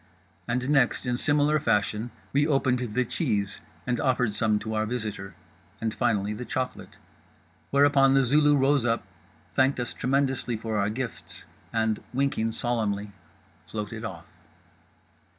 And next, in similar fashion, we opened the cheese and offered some to our visitor; and finally the chocolate. Whereupon The Zulu rose up, thanked us tremendously for our gifts, and—winking solemnly—floated off.